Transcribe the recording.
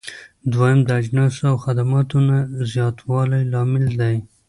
دويم: د اجناسو او خدماتو نه زیاتوالی لامل دی.